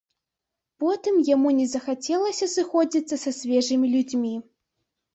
Потым яму не захацелася сыходзіцца са свежымі людзьмі.